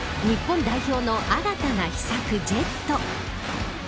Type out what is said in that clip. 日本代表の新たな秘策ジェット。